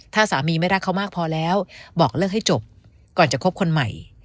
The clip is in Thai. ถ้าสามีไม่รักเขามากพอแล้วบอกเลิกให้จบก่อนจะคบคนใหม่